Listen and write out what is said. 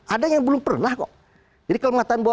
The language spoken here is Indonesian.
ada yang belum pernah kok jadi kalau mengatakan bahwa